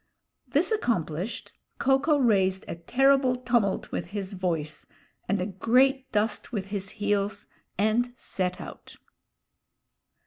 This accomplished, Ko ko raised a terrible tumult with his voice and a great dust with his heels, and set out.